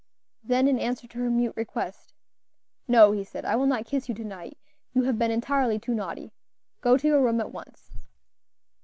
Then, in answer to her mute request, "No," he said, "I will not kiss you to night; you have been entirely too naughty. Go to your room at once."